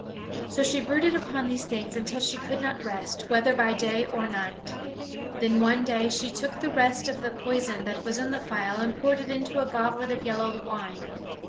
So she brooded upon these things until she could not rest, whether by day or night. Then one day she took the rest of the poison that was in the phial and poured it into a goblet of yellow wine.